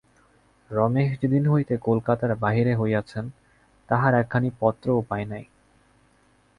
রমেশ যেদিন হইতে কলিকাতার বাহির হইয়াছেন, তাঁহার একখানি পত্রও পাই নাই।